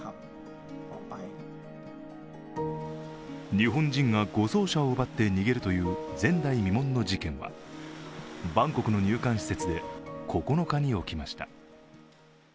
日本人が護送車を奪って逃げるという前代未聞の事件はバンコクの入管施設で９日に起きました。